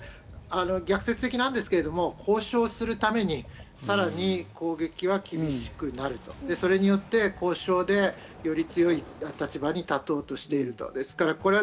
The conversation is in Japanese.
逆説的なんですけれども、交渉するためにさらに攻撃は厳しくなると、それによって交渉でより強い立場に立とうとしている。